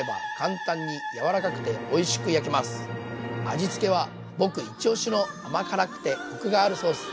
味付けは僕イチオシの甘辛くてコクがあるソース。